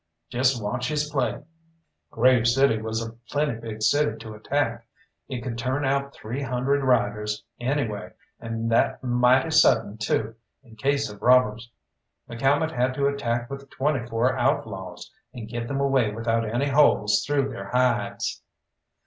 Just watch his play. Grave City was a plenty big city to attack; it could turn out three hundred riders, anyway, and that mighty sudden, too, in case of robbers. McCalmont had to attack with twenty four outlaws, and get them away without any holes through their hides.